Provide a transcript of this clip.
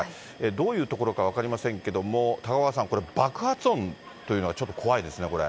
どういう所か分かりませんけれども、高岡さん、これ、爆発音というのは、ちょっと怖いですね、これ。